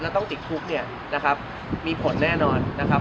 แล้วต้องติดคุกเนี่ยนะครับมีผลแน่นอนนะครับ